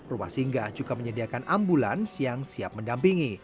rumah singgah juga menyediakan ambulans yang siap mendampingi